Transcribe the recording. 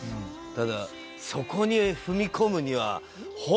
ただそこに踏み込むには。